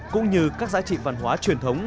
cũng như các giá trị văn hóa truyền thống